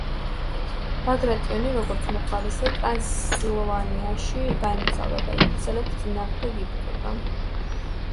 ბაგრატიონი, როგორც მოხალისე, ტრანსვაალში გაემგზავრა და ინგლისელების წინააღმდეგ იბრძოდა.